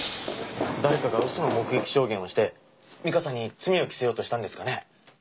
誰かが嘘の目撃証言をして美香さんに罪を着せようとしたんですかね？